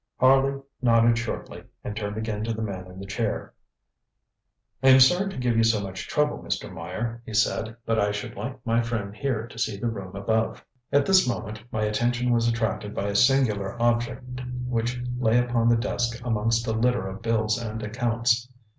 Harley nodded shortly and turned again to the man in the chair. ŌĆ£I am sorry to give you so much trouble, Mr. Meyer, ŌĆØ he said, ŌĆ£but I should like my friend here to see the room above. ŌĆØ At this moment my attention was attracted by a singular object which lay upon the desk amongst a litter of bills and accounts.